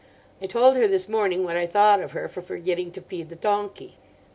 I told her this morning what I thought of her for forgetting to feed the donkey.